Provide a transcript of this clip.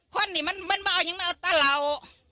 คนนี้มันไม่เอาอย่างนี้มันต้าเรา